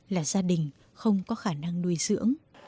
là gia đình không có khả năng nuôi dưỡng